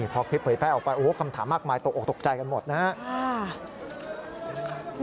พอเผยแพทย์ออกไปคำถามมากมายตกออกตกใจกันหมดนะครับ